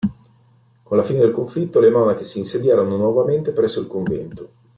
Con la fine del conflitto le monache si insediarono nuovamente presso il convento.